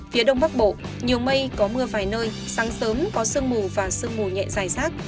phía đông bắc bộ nhiều mây có mưa vài nơi sáng sớm có sương mù và sương mù nhẹ dài rác